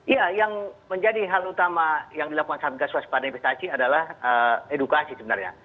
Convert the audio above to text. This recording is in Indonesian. iya yang menjadi hal utama yang dilakukan satgas waspada investasi adalah edukasi sebenarnya